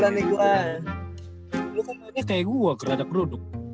lu kan mainnya kayak gua geradak beruduk